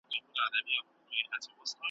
نور به هر څه خاوری کېږی خو زما مینه به پاتېږی ,